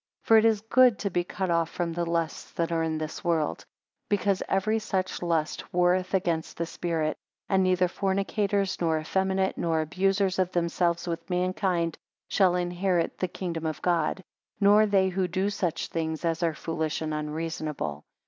For it is good to be cut off from the lusts that are in the world; because every such lust warreth against the spirit: and neither fornicators, nor effeminate, nor abusers of themselves with mankind, shall inherit the kingdom of God; nor they who do such things as are foolish and unreasonable.